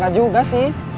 gak juga sih